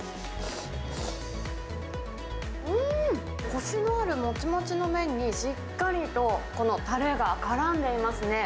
こしのあるもちもちの麺に、しっかりとこのたれがからんでいますね。